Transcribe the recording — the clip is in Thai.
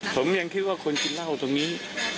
ผมยังคิดว่าคนกินเหล้าตรงนี้